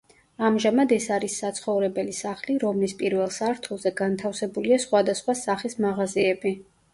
ამჟამად ეს არის საცხოვრებელი სახლი, რომლის პირველ სართულზე განთავსებულია სხვადასხვა სახის მაღაზიები.